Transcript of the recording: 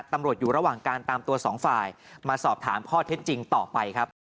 ตำรวจอยู่ระหว่างการตามตัวสองฝ่ายมาสอบถามข้อเท็จจริงต่อไปครับ